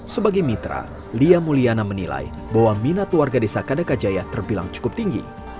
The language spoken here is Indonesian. sebagai mitra lia mulyana menilai bahwa minat warga desa kadakajaya terbilang cukup tinggi